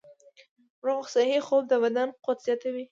روغ صحي خوب د بدن قوت زیاتوي.